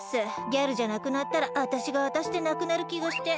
ギャルじゃなくなったらあたしがあたしでなくなるきがして。